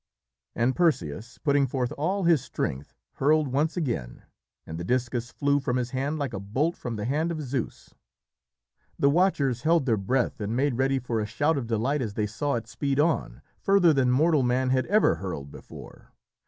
And Perseus, putting forth all his strength, hurled once again, and the discus flew from his hand like a bolt from the hand of Zeus. The watchers held their breath and made ready for a shout of delight as they saw it speed on, further than mortal man had ever hurled before.